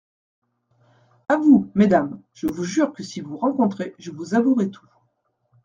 À vous, mesdames ; je vous jure que si vous rencontrez, je vous avouerai tout.